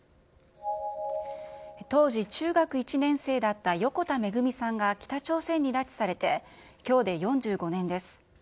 当時中学１年生だった横田めぐみさんが北朝鮮に拉致されて、きょうで４５年です。